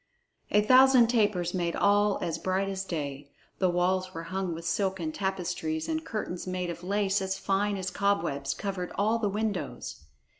A thousand tapers made all as bright as day; the walls were hung with silken tapestries, and curtains made of lace as fine as cobwebs covered all the windows.